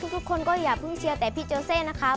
ทุกคนก็อย่าเพิ่งเชียร์แต่พี่โจเซ่นะครับ